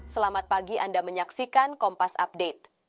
selamat pagi anda menyaksikan kompas update